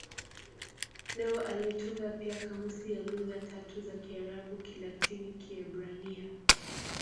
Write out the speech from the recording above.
Leo alitunga pia kamusi ya lugha tatu za Kiarabu-Kilatini-Kiebrania.